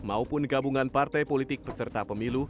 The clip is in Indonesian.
maupun gabungan partai politik peserta pemilu